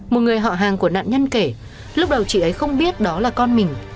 một người họ hàng của nạn nhân kể lúc đầu chị ấy không biết đó là con mình